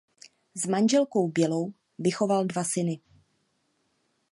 S manželkou Bělou vychoval dva syny.